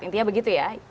intinya begitu ya